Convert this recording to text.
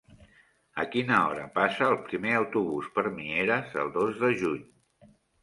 A quina hora passa el primer autobús per Mieres el dos de juny?